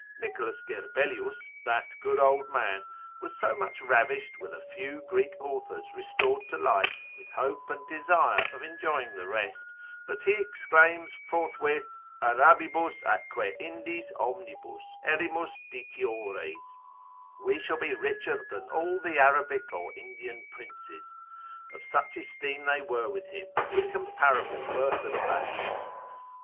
Nicholas Gerbelius, that good old man, was so much ravished with a few Greek authors restored to light, with hope and desire of enjoying the rest, that he exclaims forthwith, Arabibus atque Indis omnibus erimus ditiores, we shall be richer than all the Arabic or Indian princes; of such esteem they were with him, incomparable worth and value.